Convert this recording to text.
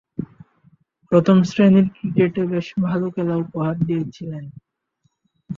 প্রথম-শ্রেণীর ক্রিকেটে বেশ ভালো খেলা উপহার দিয়েছিলেন।